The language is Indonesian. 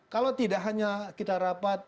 kalau tidak hanya kita rapat